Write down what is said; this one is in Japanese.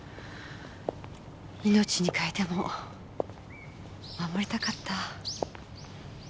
命に代えても守りたかった。